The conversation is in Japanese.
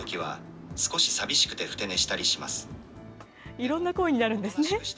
いろんな声になるんですね。